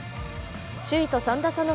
首位と３打差の